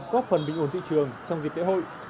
góp phần bình ồn thị trường trong dịp kế hội